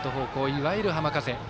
いわゆる浜風。